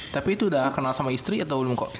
tapi itu udah kenal sama istri atau belum kok